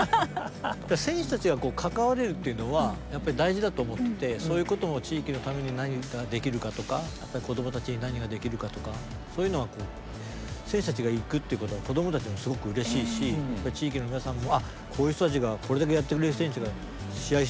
選手たちがこう関われるっていうのはやっぱり大事だと思っててそういうことも地域のために何ができるかとか子どもたちに何ができるかとかそういうのは選手たちが行くっていうことは子どもたちもすごくうれしいし地域の皆さんも「あっこういう人たちがこれだけやってくれる選手が試合してるんだ。